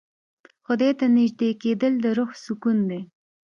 خدای ته نژدې کېدل د روح سکون دی.